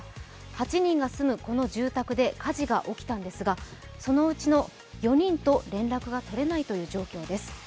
８人が住むこの住宅で火事が起きたんですがそのうちの４人と連絡が取れないという状況です。